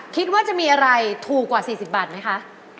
คิดว่าจะมีอะไรถูกกว่า๔๐บาทไหมคะ